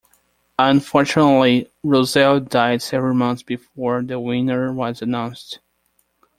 Unfortunately, Roselle died several months before the winner was announced.